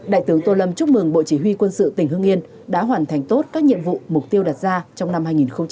đại tướng tô lâm chúc mừng bộ chỉ huy quân sự tỉnh hương yên đã hoàn thành tốt các nhiệm vụ mục tiêu đặt ra trong năm hai nghìn hai mươi